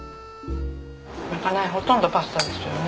まかないほとんどパスタですよね。